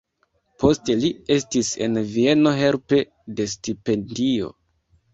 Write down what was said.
Poste li estis en Vieno helpe de stipendio.